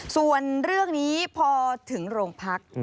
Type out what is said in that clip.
ส่วนเรื่องนี้พอถึงโรงพัก